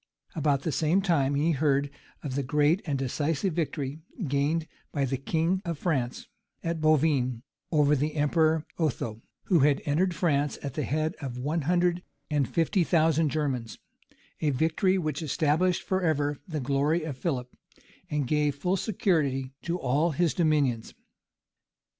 About the same time, he heard of the great and decisive victory gained by the king of France at Bovines over the emperor Otho, who had entered France at the head of one hundred and fifty thousand Germans; a victory which established forever the glory of Philip, and gave full security to all his dominions.